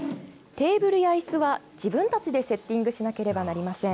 テーブルや、いすは自分たちでセッティングしなければなりません。